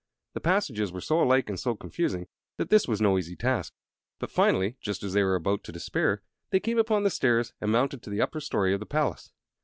The passages were so alike and so confusing that this was no easy task; but finally, just as they were about to despair, they came upon the stairs and mounted to the upper story of the palace.